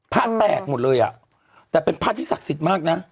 พระแตกหมดเลยอ่ะแต่เป็นพระที่ศักดิ์สิทธิ์มากนะ